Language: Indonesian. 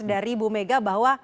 dari bu mega bahwa